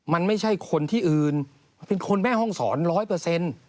มันไม่ใช่คนที่อื่นมันเป็นคนแม่ห้องสอนร้อยเปอร์เซ็นต์